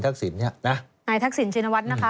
ไงทักศีลชินวัฒน์นะคะ